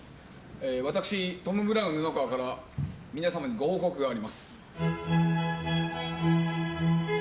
私、トム・ブラウン布川から皆様にご報告があります。